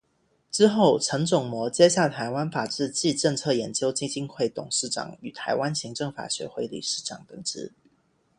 之后城仲模接下台湾法治暨政策研究基金会董事长与台湾行政法学会理事长等职。